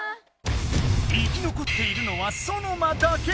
生き残っているのはソノマだけ。